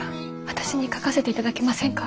私に書かせて頂けませんか？